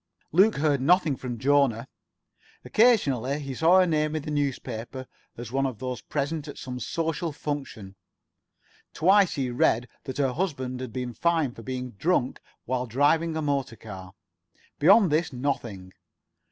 Luke heard nothing from Jona. Occasionally he saw her name in the newspaper as one of those present at some social function. Twice he read that her husband had been fined for being drunk while driving a motor car. Beyond this, nothing.